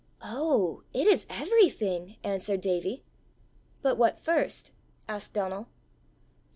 "Oh, it is everything!" answered Davie. "But what first?" asked Donal.